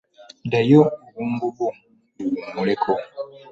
Ddayo obwongo bwo buwummuleko.